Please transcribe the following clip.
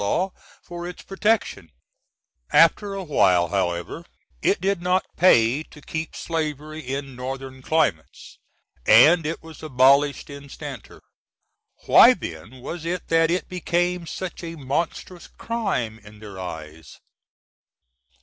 Law" for its protection. After a while, however, it did not pay to keep Slavery in Northern climates, & it was abolished instanter. Why then was it that it became such a monstrous crime in their eyes?